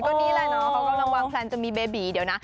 ก็นี่แหละเนาะเขากำลังวางแพลนจะมีเบบีเดี๋ยวนะ